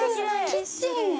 キッチン。